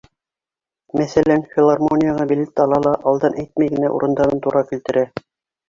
Мәҫәлән, филармонияға билет ала ла, алдан әйтмәй генә урындарын тура килтерә.